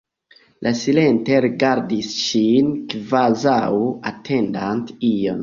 Li silente rigardis ŝin, kvazaŭ atendante ion.